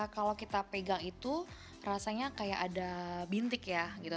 kalau kita pegang itu rasanya kayak ada bintik ya gitu